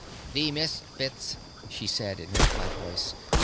"The Misfits," she said in her flat voice.